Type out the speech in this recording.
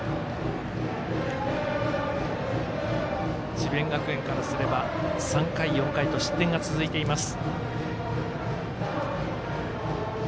智弁学園からすれば３回、４回と失点が続いています。